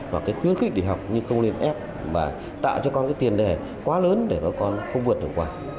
hoặc cái khuyến khích để học nhưng không nên ép và tạo cho con cái tiền đề quá lớn để có con không vượt được quả